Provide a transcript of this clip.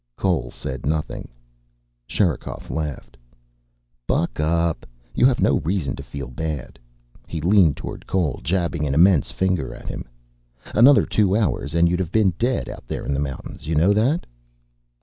Cole said nothing. Sherikov laughed. "Buck up! You have no reason to feel bad." He leaned toward Cole, jabbing an immense finger at him. "Another two hours and you'd have been dead, out there in the mountains. You know that?"